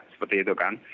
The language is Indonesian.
seperti itu kan